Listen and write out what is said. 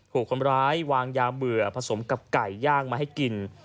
ถูกคนร้ายวางยาเบื่อผสมกับไก่ย่างมาให้กิน